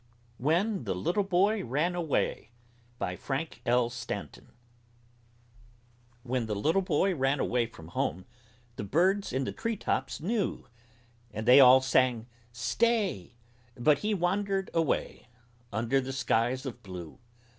WHEN THE LITTLE BOY RAN AWAY BY FRANK L. STANTON When the little boy ran away from home The birds in the treetops knew, And they all sang "Stay!" But he wandered away Under the skies of blue.